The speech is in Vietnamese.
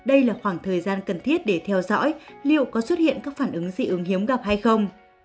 đây là khoảng thời gian cần thiết để theo dõi liệu có xuất hiện các phản ứng dị ứng hiếm gặp hay không